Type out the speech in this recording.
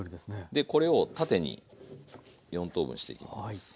でこれを縦に４等分していきます。